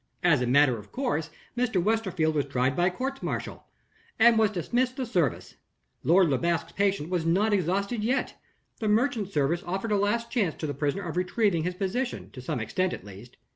As a matter of course, Mr. Westerfield was tried by court martial, and was dismissed the service. Lord Le Basque's patience was not exhausted yet. The Merchant Service offered a last chance to the prisoner of retrieving his position, to some extent at least.